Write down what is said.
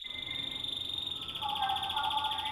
انګرېزان حلال سوي ول.